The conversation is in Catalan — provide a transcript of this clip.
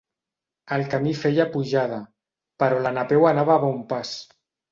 El camí feia pujada, però la Napeu anava a bon pas.